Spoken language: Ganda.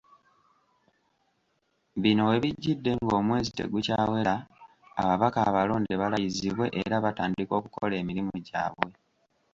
Bino we bijjidde ng'omwezi tegukyawera ababaka abalonde balayizibwe era batandika okukola emirimu gyabwe.